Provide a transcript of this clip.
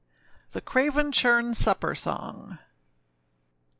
THE CRAVEN CHURN SUPPER SONG.